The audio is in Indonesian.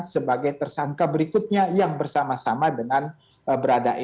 sebagai tersangka berikutnya yang bersama sama dengan barang ini